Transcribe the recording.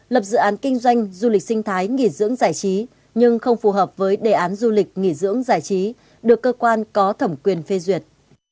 lập dự án kinh doanh du lịch sinh thái nghỉ dưỡng giải trí nhưng không phù hợp với đề án du lịch nghỉ dưỡng giải trí được cơ quan có thẩm quyền phê duyệt